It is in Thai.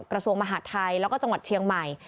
กระทรวงมหาดไทยแล้วก็จังหวัดเชียงใหม่